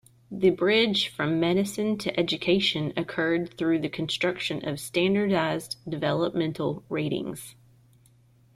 The bridge from medicine to education occurred through the construction of Standardized Developmental Ratings.